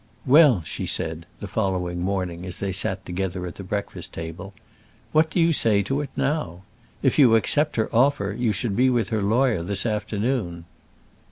"Well," she said, the following morning, as they sat together at the breakfast table, "what do you say to it now? If you accept her offer you should be with her lawyer this afternoon."